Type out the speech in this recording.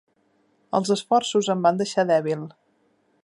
Els esforços em van deixar dèbil.